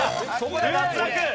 ここで脱落。